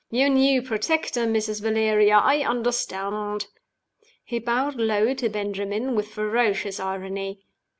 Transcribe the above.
Your new protector, Mrs. Valeria I understand!" He bowed low to Benjamin, with ferocious irony.